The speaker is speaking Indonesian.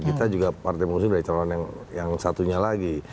kita juga partai pengusung dari calon yang satunya lagi